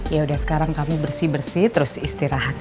yaudah sekarang kamu bersih bersih terus istirahat ya